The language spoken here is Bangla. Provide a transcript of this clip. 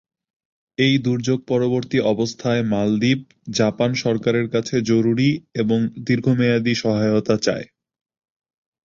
এই দুর্যোগ পরবর্তী অবস্থায় মালদ্বীপ, জাপান সরকারের কাছে জরুরি এবং দীর্ঘমেয়াদী সহায়তা চায়।